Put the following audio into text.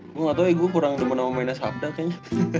gue gak tau ya gue kurang demen sama mainnya sabda kayaknya